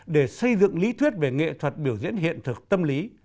để xây dựng lý thuyết về nghệ thuật biểu diễn hiện thực tâm lý